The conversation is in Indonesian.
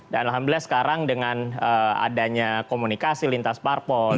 dan alhamdulillah sekarang dengan adanya komunikasi lintas parpol